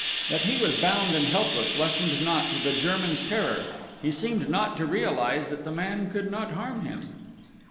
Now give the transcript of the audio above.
That he was bound and helpless lessened not the German's terror he seemed not to realize that the man could not harm him.